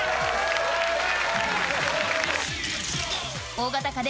大型家電